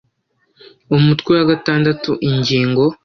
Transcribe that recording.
umutwe wa gatandatu ingingo